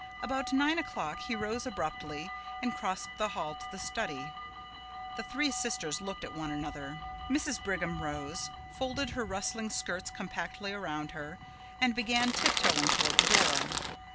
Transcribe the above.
About nine o'clock he rose abruptly and crossed the hall to the study. The three sisters looked at one another. Mrs. Brigham rose, folded her rustling skirts compactly round her, and began tiptoeing toward the door.